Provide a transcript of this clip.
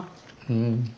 うん。